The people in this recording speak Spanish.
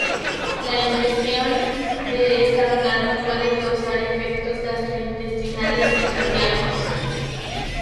La ingestión de está planta puede causar efectos gastrointestinales y cardíacos.